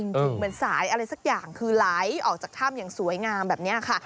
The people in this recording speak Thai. เหมือนสายอะไรสักอย่างคือไหลออกจากถ้ำอย่างสวยงามแบบนี้ค่ะ